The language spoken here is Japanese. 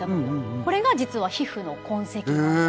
これが実は皮膚の痕跡なんだそうです。